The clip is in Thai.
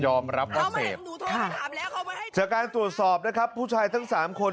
ยอมรับว่าเศษค่ะจากการตรวจสอบนะครับผู้ชายทั้ง๓คน